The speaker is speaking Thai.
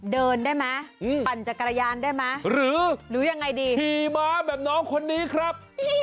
เดินได้ไหมปั่นจากกระยานได้ไหมหรือหี่บาแบบน้องคนนี้ครับ